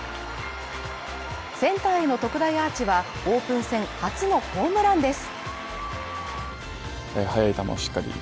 センターへの特大アーチはオープン戦初のホームランです。